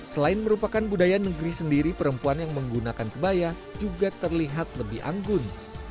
selain merupakan budaya negeri sendiri perempuan yang menggunakan kebaya juga terlihat lebih anggun